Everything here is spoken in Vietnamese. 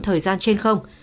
thời gian trên không